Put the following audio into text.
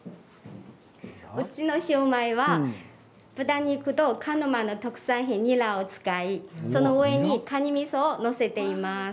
うちのシューマイは豚肉と鹿沼の特産のにらを使ってその上にカニみそを載せています。